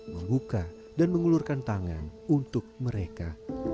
membuka dan mengulurkan tangan untuk mereka